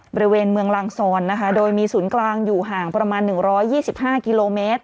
บริเวณเมืองลางซอนนะคะโดยมีศูนย์กลางอยู่ห่างประมาณ๑๒๕กิโลเมตร